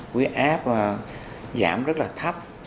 quý áp giảm rất là thấp